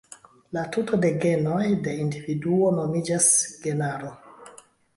La tuto de genoj de individuo nomiĝas genaro.